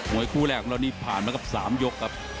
วยคู่แรกของเรานี่ผ่านมาครับ๓ยกครับ